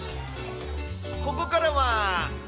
ここからは。